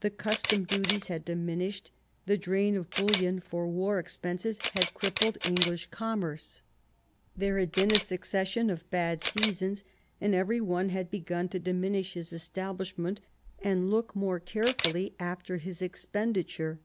The custom duties had diminished, the drain of bullion for war expenses had crippled English commerce. There had been a succession of bad seasons, and every one had begun to diminish his establishment and look more care fully after his expenditure.